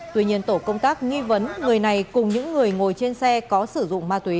tuy nhiên tổ công tác nghi vấn người này cùng những người ngồi trên xe có sử dụng ma túy